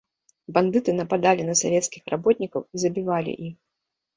Бандыты нападалі на савецкіх работнікаў і забівалі іх.